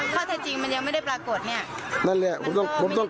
แค่ที่มันเกิดขึ้น